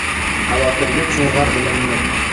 Xavotirga chulg’ar dilimni.